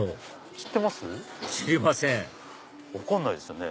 知りません分かんないですよね。